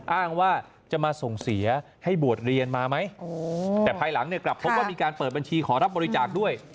อ้างว่าจะมาส่งเสียให้บวชเรียนมาไหมแต่ภายหลังเนี่ยกลับพบว่ามีการเปิดบัญชีขอรับบริจาคด้วย